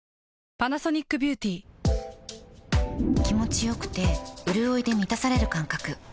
気持ちよくてうるおいで満たされる感覚